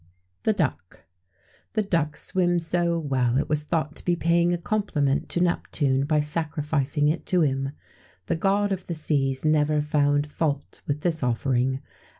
[XVII 36] THE DUCK. The duck swims so well it was thought to be paying a compliment to Neptune by sacrificing it to him.[XVII 37] The god of the seas never found fault with this offering.